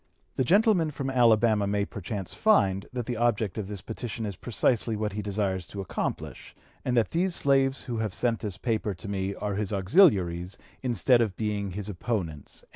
The gentleman from Alabama may perchance find, that the object of this petition is precisely what he desires to accomplish; and that these slaves who have sent this paper to me are his auxiliaries instead of being his opponents."